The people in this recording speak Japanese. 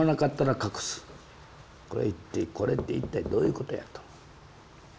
これって一体どういうことやと。